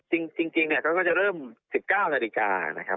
จริงเนี่ยก็จะเริ่ม๑๙นาฬิกานะครับ